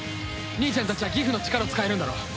兄ちゃんたちはギフの力を使えるんだろ？